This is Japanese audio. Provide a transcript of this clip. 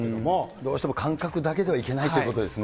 どうしても感覚だけではいけないということですね。